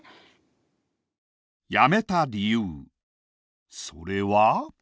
辞めた理由それは。